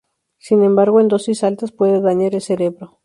Sin embargo, en dosis altas puede dañar al cerebro.